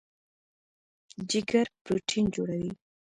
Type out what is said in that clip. جګر پروټین جوړوي.